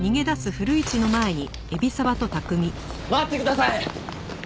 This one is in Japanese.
待ってください！